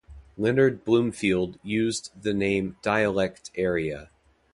Leonard Bloomfield used the name dialect area.